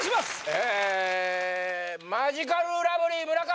えっマヂカルラブリー村上！